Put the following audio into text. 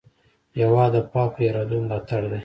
هېواد د پاکو ارادو ملاتړ دی.